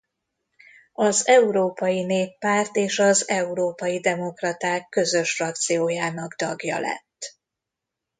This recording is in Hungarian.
Az Európai Néppárt és az Európai Demokraták közös frakciójának tagja lett.